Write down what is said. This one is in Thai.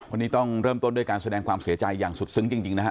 วันนี้ต้องเริ่มต้นด้วยการแสดงความเสียใจอย่างสุดซึ้งจริงนะฮะ